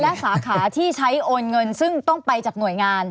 และสาขาที่ใช้โอนเงินซึ่งต้องไปจากหน่วยงาน